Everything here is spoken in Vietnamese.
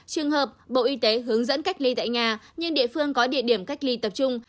trường hợp bộ y tế hướng dẫn cách ly tại nhà nhưng địa phương có địa điểm cách ly tập trung